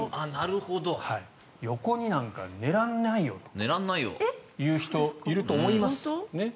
横になんか寝られないよという人いると思います。